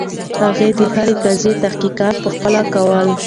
هغه د هرې قطعې تحقیقات پخپله کول.